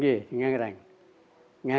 koreka disandarkan pada pohon